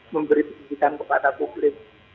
memberi pendidikan kepada publik